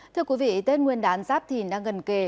thưa quý vị tết nguyên đán giáp thìn đang gần kề